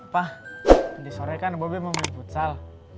pak di sore kan bobi mau minum futsal